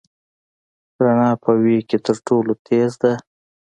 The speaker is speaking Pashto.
رڼا په وېګ کې تر ټولو تېز ده.